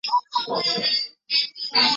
他也代表克罗地亚国家足球队参赛。